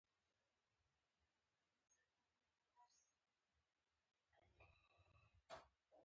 هغه ته به يو ځانګړی جوړښت ورکړي.